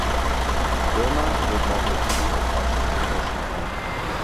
Irma lädt Valerie und Lasse zum Essen ein.